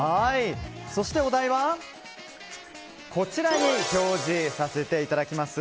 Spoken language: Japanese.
そして、お題はこちらに表示させていただきます。